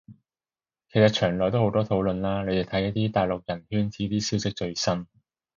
其實牆內好多討論啦，你哋睇啲大陸人圈子啲消息最新